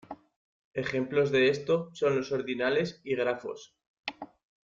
Ejemplos de esto son los ordinales y grafos.